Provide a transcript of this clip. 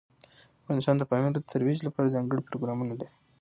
افغانستان د پامیر د ترویج لپاره ځانګړي پروګرامونه لري.